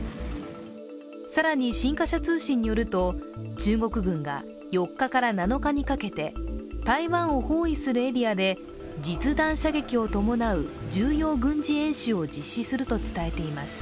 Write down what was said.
更に新華社通信によると中国軍が４日から７日にかけて台湾を包囲するエリアで実弾射撃を伴う重要軍事演習を実施すると伝えています。